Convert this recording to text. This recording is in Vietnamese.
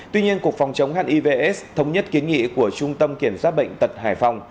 tuy nhiên cục phòng chống hiv aids thống nhất kiến nghị của trung tâm kiểm soát bệnh tật hải phòng